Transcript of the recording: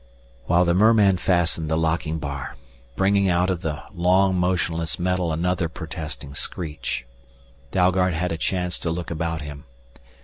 While the merman fastened the locking bar, bringing out of the long motionless metal another protesting screech, Dalgard had a chance to look about him.